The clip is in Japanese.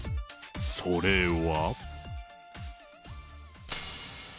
それは。